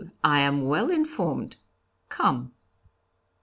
I am well informed, come.'